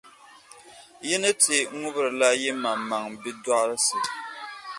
Yi ni ti ŋubirila yimaŋmaŋ’ bidɔɣirisi.